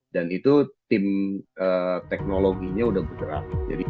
dan itu tim teknologinya udah bergerak